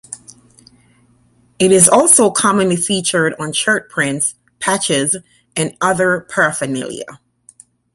It is also commonly featured on shirt prints, patches and other paraphernalia.